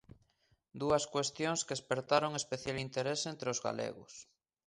Dúas cuestións que espertaron especial interese entre os galegos.